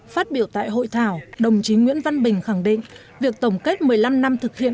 phát biểu tại hội thảo đồng chí nguyễn văn bình khẳng định việc tổng kết một mươi năm năm thực hiện